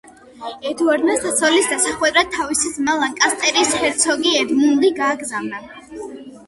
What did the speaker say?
ედუარდმა საცოლის დასახვედრად თავისი ძმა, ლანკასტერის ჰერცოგი ედმუნდი გააგზავნა.